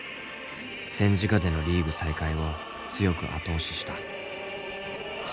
戦時下でのリーグ再開を強く後押しした。